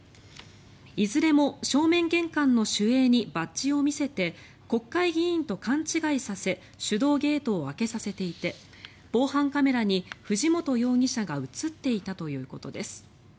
いずれも正面玄関の守衛にバッジを見せて国会議員と勘違いさせ手動ゲートを開けさせていて防犯カメラに藤本容疑者が映っていたということです。